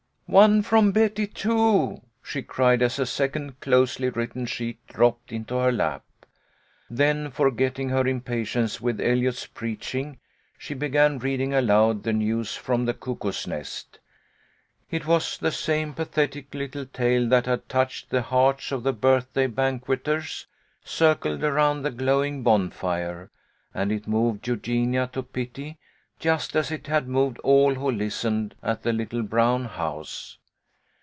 "One from Betty, too," she cried, as a second closely written sheet dropped into her lap. Then forgetting her impatience with Eliot's preaching, she 110 THE LITTLE COLONEL'S HOLIDAYS. began reading aloud the news from the Cuckoo's Nest. It was the same pathetic little tale that had touched the hearts of the birthday banqueters, cir cled around the glowing bonfire, and it moved Eugenia to pity, just as it had moved all who lis tened at the little brown house.